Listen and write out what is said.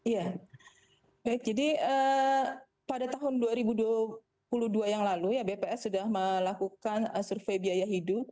ya baik jadi pada tahun dua ribu dua puluh dua yang lalu ya bps sudah melakukan survei biaya hidup